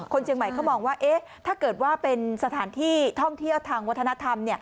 เชียงใหม่เขามองว่าถ้าเกิดว่าเป็นสถานที่ท่องเที่ยวทางวัฒนธรรม